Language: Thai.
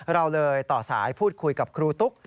เราเลยต่อสายพูดคุยกับครูตุ๊ก